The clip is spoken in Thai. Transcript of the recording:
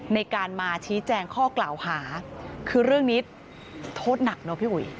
ในการมาชี้แจงข้อกล่าวหาคือเรื่องนี้โทษหนักเนอะพี่อุ๋ย